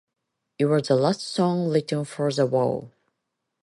It was the last song written for "The Wall".